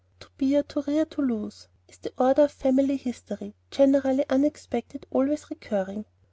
"To bear, to rear, to lose," is the order of family history, generally unexpected, always recurring.